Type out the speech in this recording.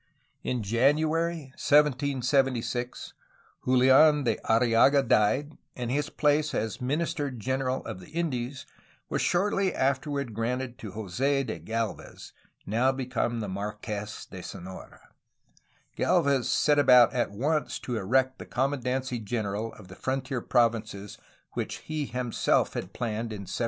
In January 1776 JuUdn de Arriaga died, and his place as Minister General of the Indies was shortly afterward granted to Jos6 de Galvez, now become Marques de Sonora. G^lvez set about at once to erect the commandancy general of the frontier provinces which he himself had planned in 1768.